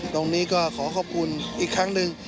ตรงนี้ก็ขอขอบคุณอีกครั้งหนึ่ง